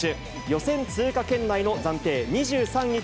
予選通過圏内の暫定２３位